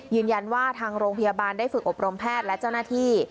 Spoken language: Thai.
ยืนยันว่าทางโรงพยาบาลได้ฝึกอบรมแพทย์และเจ้าหน้าที่